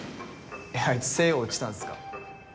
えっあいつ星葉落ちたんすか？